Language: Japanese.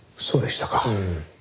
そうでしたか。